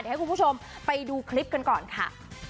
ให้คุณผู้ชมไปดูคลิปกันก่อนค่ะ